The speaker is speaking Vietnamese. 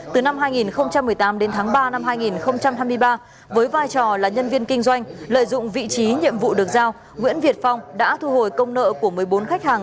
từ năm hai nghìn một mươi tám đến tháng ba năm hai nghìn hai mươi ba với vai trò là nhân viên kinh doanh lợi dụng vị trí nhiệm vụ được giao nguyễn việt phong đã thu hồi công nợ của một mươi bốn khách hàng